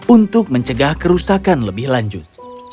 untuk mencegah kerusakan lebih lanjut